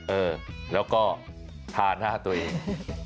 เออแล้วก็ทาหน้าตัวเอง